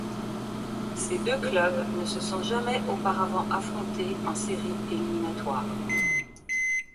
Ces deux clubs ne se sont jamais auparavant affrontés en séries éliminatoires.